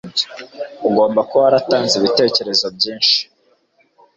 Ugomba kuba waratanze ibitekerezo byinshi.